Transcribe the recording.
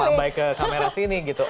kelambai ke kamera sini gitu